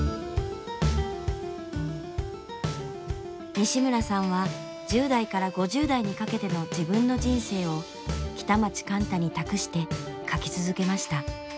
西村さんは１０代から５０代にかけての自分の人生を北町貫多に託して書き続けました。